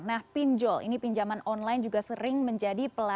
nah pinjol ini pinjaman online juga sering menjadi pelan